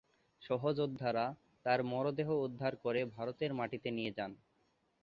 সহযোদ্ধারা তার মরদেহ উদ্ধার করে ভারতের মাটিতে নিয়ে যান।